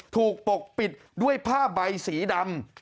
ปกปิดด้วยผ้าใบสีดำ